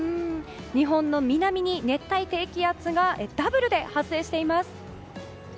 日本の南に熱帯低気圧がダブルで発生しています。